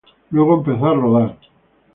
Luego empezó a rodar.